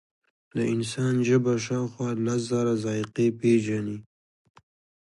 د انسان ژبه شاوخوا لس زره ذایقې پېژني.